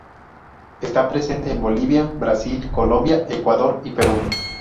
Está presente en Bolivia, Brasil, Colombia, Ecuador y Perú.